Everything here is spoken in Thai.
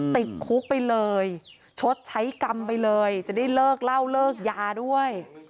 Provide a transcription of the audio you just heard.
ติดคุกไปเลยชดใช้กรรมไปเลยจะได้เลิกเล่าเลิกยาด้วย